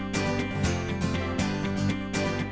ternyata dulu fred